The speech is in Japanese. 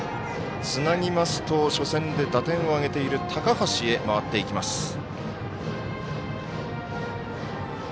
つなぎますと初戦で打点と上げている高橋へ回っていきます。